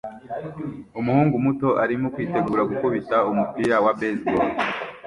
Umuhungu muto arimo kwitegura gukubita umupira wa baseball